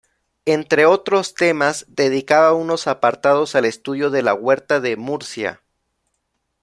Entre otros temas dedicaba unos apartados al estudio de la huerta de Murcia.